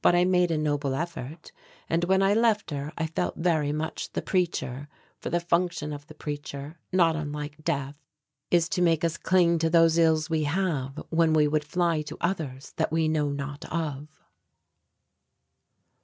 But I made a noble effort and when I left her I felt very much the preacher, for the function of the preacher, not unlike death, is to make us cling to those ills we have when we would fly to others that we know not of.